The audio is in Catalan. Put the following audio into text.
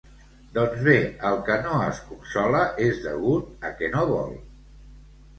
Doncs bé, el que no es consola és degut a que no vol!